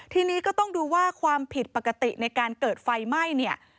ทีนี้ก็ต้องดูว่าความผิดปกติในการเกิดไฟไหม้เนี่ย